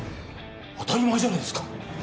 当たり前じゃないですか